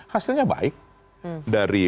hasilnya baik dari